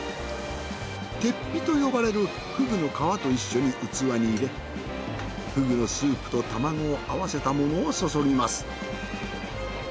てっぴと呼ばれるふぐの皮と一緒に器に入れふぐのスープと卵を合わせたものを注ぎます。